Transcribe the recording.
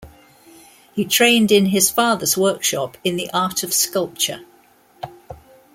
He trained in his father's workshop in the art of sculpture.